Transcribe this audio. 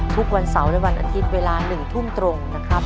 ทุกวันเสาร์และวันอาทิตย์เวลา๑ทุ่มตรงนะครับ